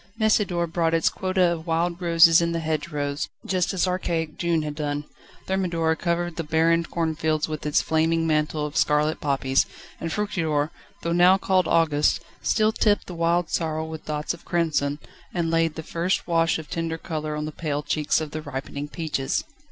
Messidor brought its quota of wild roses in the hedgerows, just as archaic June had done. Thermidor covered the barren cornfields with its flaming mantle of scarlet poppies, and Fructidor, though now called August, still tipped the wild sorrel with dots of crimson, and laid the first wash of tender colour on the pale cheeks of the ripening peaches.